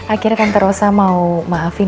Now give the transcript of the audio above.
akhirnya kanter rosa mau maafin